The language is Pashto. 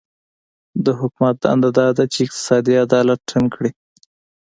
د حکومت دنده دا ده چې اقتصادي عدالت ټینګ کړي.